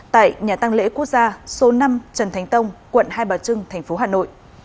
tại nhà tăng lễ quốc gia số năm trần thánh tông quận hai bà trưng thành phố hà nội